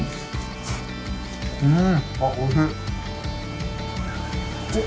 うん！